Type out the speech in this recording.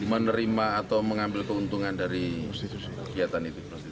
menerima atau mengambil keuntungan dari kegiatan itu